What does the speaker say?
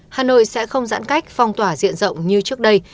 hà nội sẽ không giãn cách phong tỏa diện rộng như trước đây